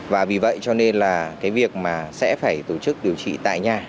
và vì vậy cho nên là cái việc mà sẽ phải tổ chức điều trị tại nhà